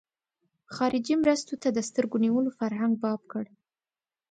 خارجي مرستو ته د سترګو نیولو فرهنګ باب کړ.